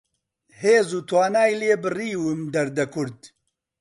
هێز و توانای لێ بڕیوم دەردە کورد